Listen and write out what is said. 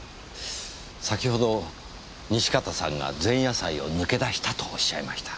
先ほど西片さんが前夜祭を抜け出したとおっしゃいました。